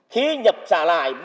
khi nhập xã lại